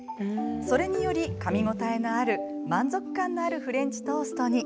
それにより、かみ応えのある満足感のあるフレンチトーストに。